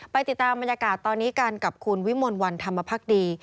ติดตามบรรยากาศตอนนี้กันกับคุณวิมลวันธรรมพักดี